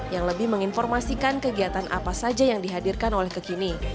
yang lebih menginformasikan kegiatan apa saja yang dihadirkan oleh kekini